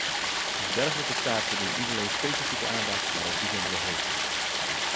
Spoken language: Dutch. Een dergelijke staat verdient niet alleen specifieke aandacht, maar ook bijzondere hulp.